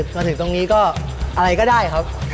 มาถึงตรงนี้ก็อะไรก็ได้ครับ